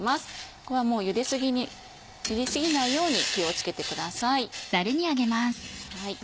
ここはもうゆで過ぎないように気を付けてください。